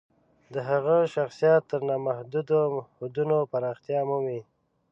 د هغه شخصیت تر نامحدودو حدونو پراختیا مومي.